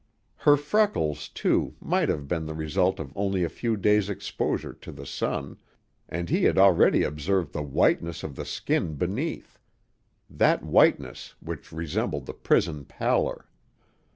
Her freckles, too, might have been the result of only a few days' exposure to the sun, and he had already observed the whiteness of the skin beneath; that whiteness which resembled the prison pallor.